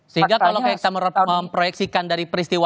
sehingga kalau kita memproyeksikan dari peristiwa